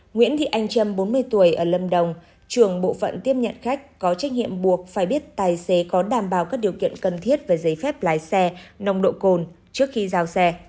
nguyễn thị anh trâm bốn mươi tuổi ở lâm đồng trường bộ phận tiếp nhận khách có trách nhiệm buộc phải biết tài xế có đảm bảo các điều kiện cần thiết về giấy phép lái xe nồng độ cồn trước khi giao xe